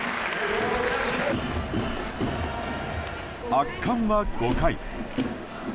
圧巻は５回。